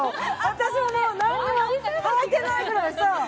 私ももうなんにもはいてないぐらいさ。